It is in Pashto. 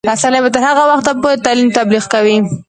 رسنۍ به تر هغه وخته پورې د تعلیم تبلیغ کوي.